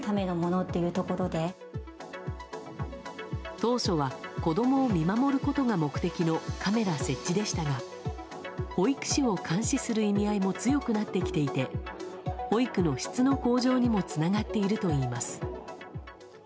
当初は子供を見守ることが目的のカメラ設置でしたが保育士を監視する意味合いも強くなってきていて保育の質の向上にもつながっているといいます。